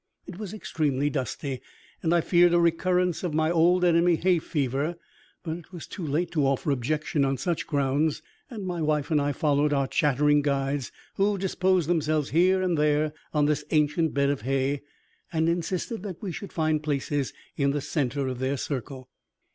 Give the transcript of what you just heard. It was extremely dusty, and I feared a recurrence of my old enemy, hay fever; but it was too late to offer objection on such grounds, and my wife and I followed our chattering guides, who disposed themselves here and there on this ancient bed of hay, and insisted that we should find places in the center of their circle.